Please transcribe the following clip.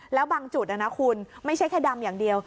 แล้วบางจุดนะคุณไม่ใช่แค่ดำอย่างเดียว